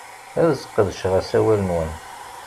Ad sqedceɣ asawal-nwen.